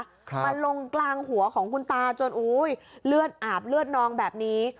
มาลงกลางหัวของคุณตาจนอุ้ยเลือดอาบเลือดนองแบบนี้